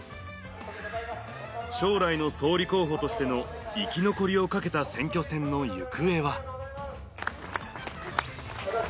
将来の総理候補としての生き残りをかけた選挙戦の行方は？